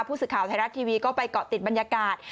ผู้สื่อข่าวไทยรัฐทีวีก็ไปเกาะติดบรรยากาศ